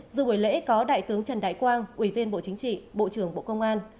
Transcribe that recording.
dù buổi lễ có đại tướng trần đại quang ủy viên bộ chính trị bộ trưởng bộ công an